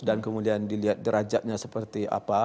dan kemudian dilihat derajatnya seperti apa